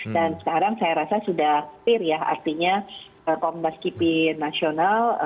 dan sekarang saya rasa sudah akhir ya artinya kombas kipi nasional